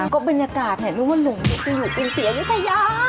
ก็บรรยากาศน่ะรู้มั้ยหลงได้ง่ายเป็นเสียอยู่ใจยา